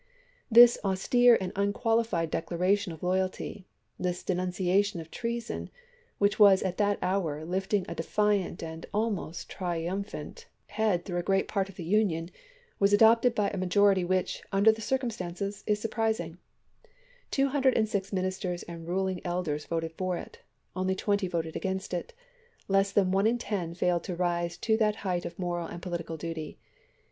This austere and unqualified declaration of loy alty, this denunciation of a treason which was at that hour lifting a defiant and almost triumphant KOBERT J. BKECKINRIDGK. LINCOLN AND THE CHURCHES 321 head througli a great part of the Union, was chap. xv. adopted by a majority which, under the circum stances, is surprising. Two hundred and six min isters and ruling elders voted for it ; only twenty voted against it ; less than one in ten failed to rise to that height of moral and political duty.